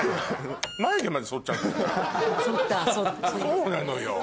そうなのよ。